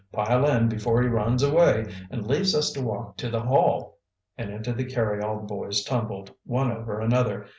"Pile in, before he runs away, and leaves us to walk to the Hall!" And into the carryall the boys tumbled, one over another.